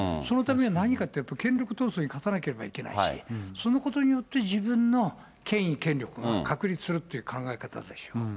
そのためには何かって、やっぱり権力闘争に勝たないといけないし、そのことによって、自分の権威、権力が確立するっていう考え方でしょう。